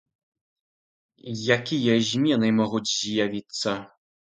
Якія змены могуць з'явіцца?